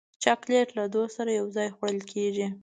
چاکلېټ له دوست سره یو ځای خوړل کېږي.